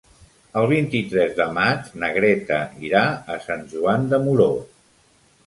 El vint-i-tres de maig na Greta irà a Sant Joan de Moró.